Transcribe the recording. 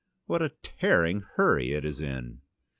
"What a tearing hurry it is in!"